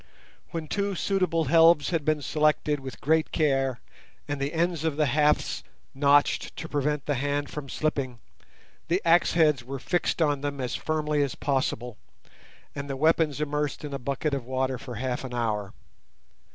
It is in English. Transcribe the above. When two suitable helves had been selected with great care and the ends of the hafts notched to prevent the hand from slipping, the axe heads were fixed on them as firmly as possible, and the weapons immersed in a bucket of water for half an hour.